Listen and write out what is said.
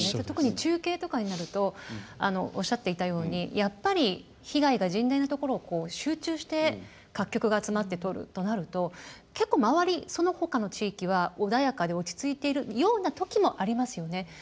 特に中継とかになるとおっしゃっていたようにやっぱり被害が甚大なところをこう集中して各局が集まって撮るとなると結構周りそのほかの地域は穏やかで落ち着いているような時もありますよね。